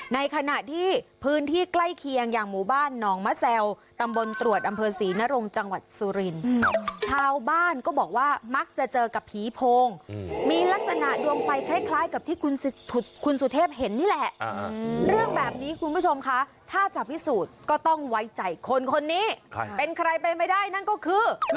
ในขณะที่พื้นที่ใกล้เคียงอย่างหมู่บ้านหนองมะแซวตำบลตรวจอำเภอศรีนรงจังหวัดสุรินทร์ชาวบ้านก็บอกว่ามักจะเจอกับผีโพงมีลักษณะดวงไฟคล้ายกับที่คุณสุเทพเห็นนี่แหละเรื่องแบบนี้คุณผู้ชมคะถ้าจะพิสูจน์ก็ต้องไว้ใจคนคนนี้เป็นใครไปไม่ได้นั่นก็คือ